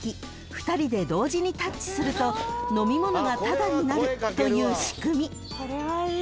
２人で同時にタッチすると飲み物がタダになるという仕組み］